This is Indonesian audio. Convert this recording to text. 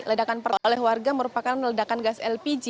ledakan oleh warga merupakan ledakan gas lpg